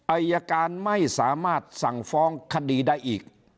อายการไม่สามารถสั่งฟ้องคดีได้อีก